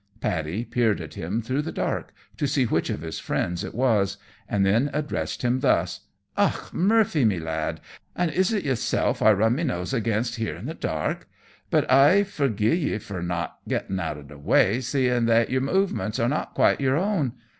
Paddy peered at him through the dark, to see which of his friends it was, and then addressed him thus: "Och! Murphy, me lad! and is it yerself I run my nose agin here in the dark? but I forgie yer for not gettin' out o' the way, seeing that yer movements are not quite yer own.